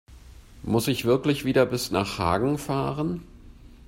Muss ich wirklich wieder bis nach Hagen fahren?